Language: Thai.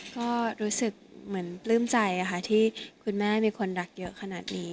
ก็รู้สึกเหมือนปลื้มใจค่ะที่คุณแม่มีคนรักเยอะขนาดนี้